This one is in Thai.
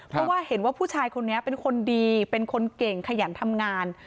เพราะว่าเห็นว่าผู้ชายคนนี้เป็นคนดีเป็นคนเก่งขยันทำงาน